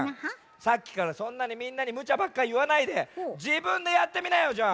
さっきからそんなにみんなにムチャばっかいわないでじぶんでやってみなよじゃあ。